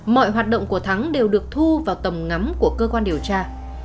mọi hoạt động của thắng đều được thu vào tầm ngắm của cơ quan điều tra